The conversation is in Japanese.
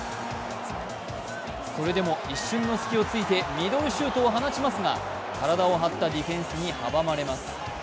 それでも一瞬のすきを突いてミドルシュートを放ちますが体を張ったディフェンスに阻まれます。